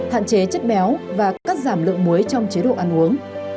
hạn chế chất béo và cắt giảm lượng muối trong chế độ ăn uống